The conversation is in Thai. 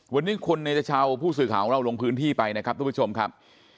วันนี้คุณเนชชาวผู้สื่อข่าวของเราลงพื้นที่ไปนะครับทุกผู้ชมครับ